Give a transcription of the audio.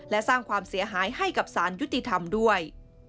และสร้างความเสียหายให้กับสารยุติธรรมด้วย